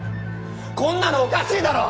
こんなのおかしいだろ！